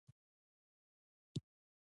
ملا صاحب ویل: روژه یوازې خوله تړل نه دي.